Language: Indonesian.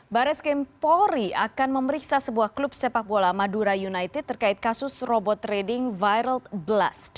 baris kempori akan memeriksa sebuah klub sepak bola madura united terkait kasus robot trading viral blast